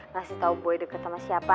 ngasih tau gue deket sama siapa